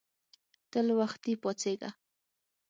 تل وختي پاڅیږه